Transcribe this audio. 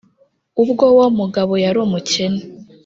ubwo wo mugabo yari umukene